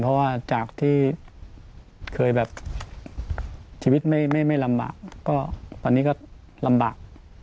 เพราะว่าจากที่เคยแบบชีวิตไม่ลำบากก็ตอนนี้ก็ลำบาก